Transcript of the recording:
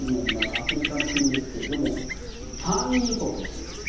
アフリカの国ですけれども産油国です。